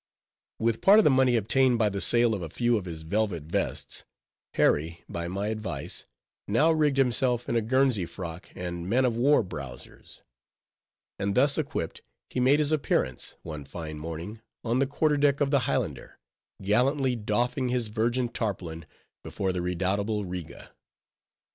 _ With part of the money obtained by the sale of a few of his velvet vests, Harry, by my advice, now rigged himself in a Guernsey frock and man of war browsers; and thus equipped, he made his appearance, one fine morning, on the quarterdeck of the Highlander, gallantly doffing his virgin tarpaulin before the redoubtable Riga.